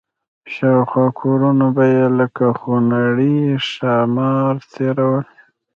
شاوخوا کورونه به یې لکه خونړي ښامار تېرول.